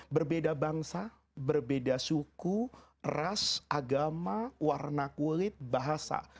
berbeda bangsa berbeda suku ras agama warna kulit bahasa